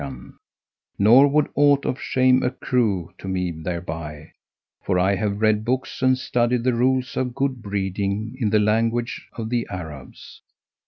[FN#182] Nor would aught of shame accrue to me thereby, for I have read books and studied the rules of good breeding in the language of the Arabs.